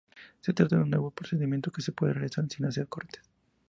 Se trata de un nuevo procedimiento que se puede realizar sin hacer cortes.